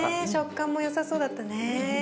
食感もよさそうだったね。